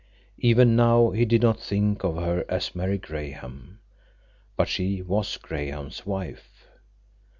Even now he did not think of her as Mary Graham. But she was Graham's wife.